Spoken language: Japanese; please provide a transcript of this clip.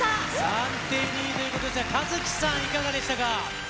暫定２位ということで、ｋａｚｕｋｉさん、いかがでしたか。